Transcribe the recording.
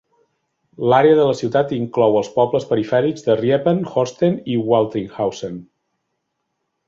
L'àrea de la ciutat inclou els pobles perifèrics de Riepen, Horsten i Waltringhausen.